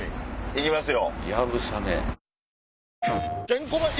行きますよ。